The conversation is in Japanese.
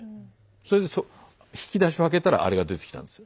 それで引き出しを開けたらあれが出てきたんですよ。